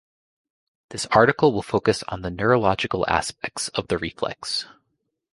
This article will focus on the neurological aspects of the reflex.